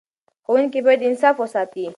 ښوونکي باید انصاف وساتي.